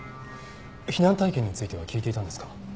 避難体験については聞いていたんですか？